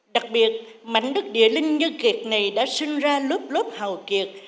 đặc biệt mảnh đất địa linh như kiệt này đã sinh ra lớp lớp hào kiệt